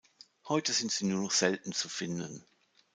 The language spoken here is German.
Heute sind sie nur noch selten zu finden.